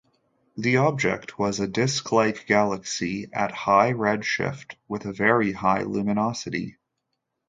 The object was a disk-like galaxy at high redshift with a very high luminosity.